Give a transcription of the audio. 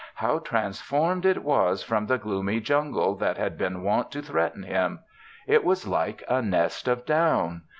How transformed it was from the gloomy jungle that had been wont to threaten him! It was like a nest of down.